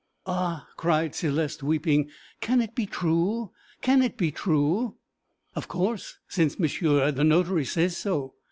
'Ah,' cried Céleste, weeping, 'can it be true? Can it be true?' 'Of course, since monsieur the notary says so.'